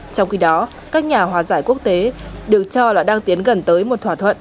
trong khi đó các nhà hòa giải quốc tế được cho là đang tiến gần tới một thỏa thuận